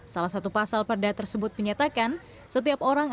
salah satu pasal perda tersebut menyatakan setiap orang